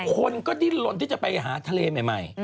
คนก็ดิ้นลนที่จะไปหาทะเลใหม่